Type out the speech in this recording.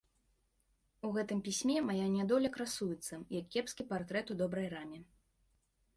У гэтым пісьме мая нядоля красуецца, як кепскі партрэт у добрай раме.